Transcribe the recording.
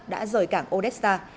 đã rời cảng odessa